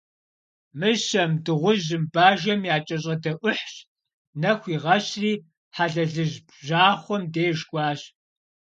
Мыщэм, Дыгъужьым, Бажэм якӀэщӀэдэӀухьщ, нэху игъэщри, Хьэлэлыжь бжьахъуэм деж кӀуащ.